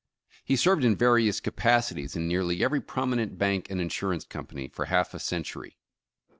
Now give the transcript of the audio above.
He served in various capacities in nearly every prominent bank and insurance company, for half a century.